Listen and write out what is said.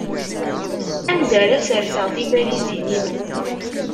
Anda ara sserseɣ tibalizin-inu?